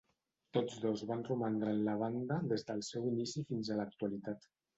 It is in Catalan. Tots dos van romandre en la banda des del seu inici fins a l'actualitat.